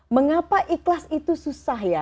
mengapa ikhlas itu susah ya